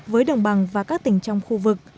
với đồng bằng và các tỉnh trong khu vực